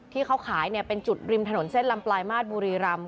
ที่เขาขายเป็นจุดริมถนนเส้นลำปลายมาตรบุรีรำ